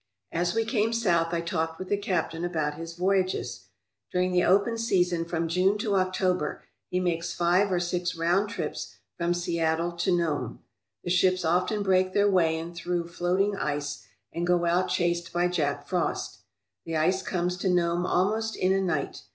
As we came south, I talked with the captain about his voyages. During the open season from June to October he makes five or six round trips from Seattle to Nome. The ships often break their way in through floating ice and go out chased by Jack Frost. The ice comes to Nome almost in a night.